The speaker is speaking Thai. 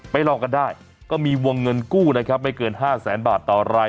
ลองกันได้ก็มีวงเงินกู้นะครับไม่เกิน๕แสนบาทต่อราย